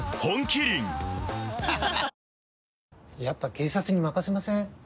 やっぱ警察に任せません？